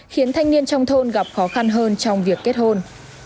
khiến thanh niên trong thôn gặp khó khăn hơn trong việc kết hôn